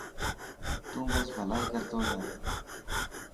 تون بس ڀلائ ڪر تو جا.